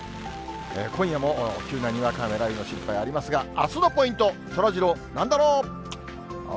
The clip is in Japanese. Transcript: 今夜も急なにわか雨、雷雨の心配ありますが、あすのポイント、そらジロー、なんだろう。